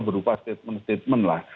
berupa statement statement lah